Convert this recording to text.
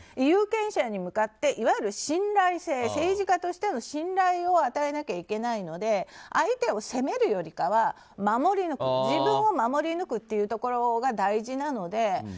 有権者に向かっていわゆる信頼性政治家としての信頼を与えなきゃいけないので相手を攻めるよりかは自分を守り抜くというところが大事なので。